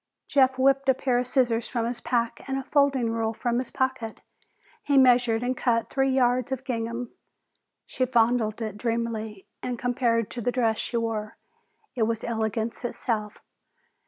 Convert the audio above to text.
Jeff whipped a pair of scissors from his pack and a folding ruler from his pocket. He measured and cut three yards of gingham. She fondled it dreamily, and compared to the dress she wore, it was elegance itself.